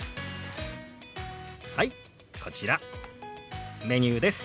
はいこちらメニューです。